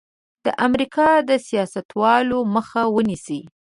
د امریکا د سیاستوالو مخه ونیسي.